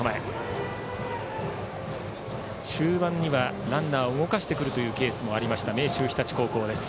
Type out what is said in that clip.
中盤にはランナーを動かしてくるケースもありました明秀日立高校です。